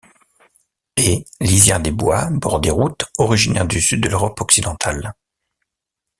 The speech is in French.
Haies, lisières des bois, bords des routes, originaire du sud de l'Europe occidentale.